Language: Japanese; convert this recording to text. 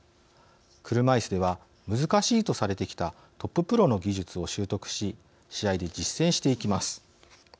車いすでは難しいとされてきたトッププロの技術を習得し試合で実践していきます。